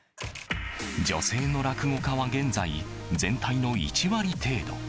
女性の落語家は現在全体の１割程度。